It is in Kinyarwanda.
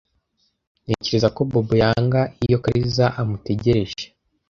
Ntekereza ko Bobo yanga iyo Kariza amutegereje.